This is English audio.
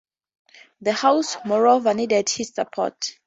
The house, moreover, needed his support.